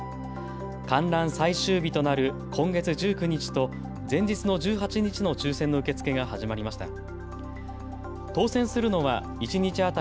観覧最終日となる今月１９日と前日の１８日の抽せんの受け付けが始まりました。